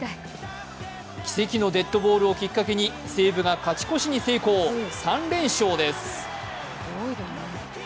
奇跡のデッドボールをきっかけに西武が勝ち越しに成功３連勝です。